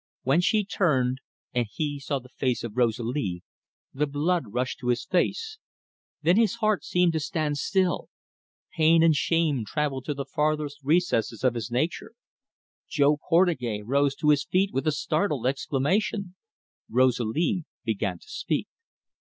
When she turned, and he saw the face of Rosalie, the blood rushed to his face; then his heart seemed to stand still. Pain and shame travelled to the farthest recesses of his nature. Jo Portugais rose to his feet with a startled exclamation. Rosalie began to speak.